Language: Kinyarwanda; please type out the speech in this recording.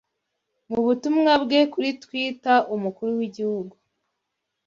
Mu butumwa bwe kuri Twita umukuru w’Igihugu